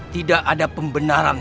tidak ada pembenaran